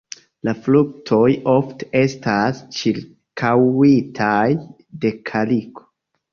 La fruktoj ofte estas ĉirkaŭitaj de kaliko.